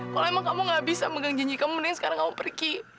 kalau emang kamu gak bisa megang janji kamu nih sekarang kamu pergi